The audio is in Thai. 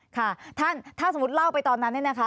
ค่ะท่านถ้าสมมุติเล่าไปตอนนั้นเนี่ยนะคะ